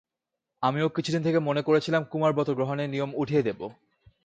আমিও কিছুদিন থেকে মনে করছিলেম কুমারব্রত গ্রহণের নিয়ম উঠিয়ে দেব।